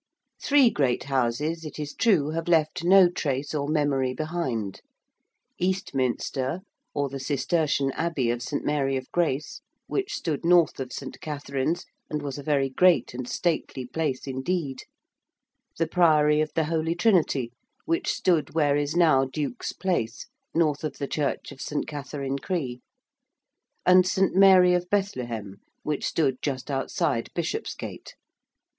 Three great Houses, it is true, have left no trace or memory behind. Eastminster or the Cistercian Abbey of St. Mary of Grace, which stood north of St. Katharine's, and was a very great and stately place indeed: the Priory of the Holy Trinity, which stood where is now Duke's Place, north of the church of St. Catharine Cree: and St. Mary of Bethlehem, which stood just outside Bishopsgate.